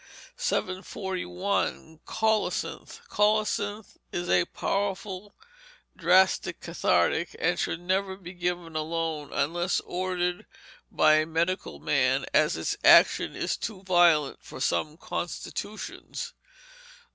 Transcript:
741. Colocynth Colocynth is a powerful drastic cathartic, and should never be given alone, unless ordered by a medical man, as its action is too violent for some constitutions.